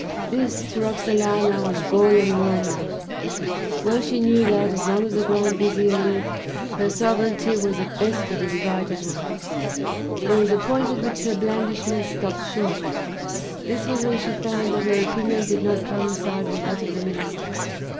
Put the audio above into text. This, to Roxalana, was gall and wormwood; well she knew that, as long as the Grand Vizier lived, her sovereignty was at best but a divided one. There was a point at which her blandishments stopped short; this was when she found that her opinion did not coincide with that of the minister.